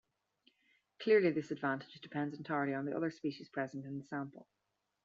Clearly this advantage depends entirely on the other species present in the sample.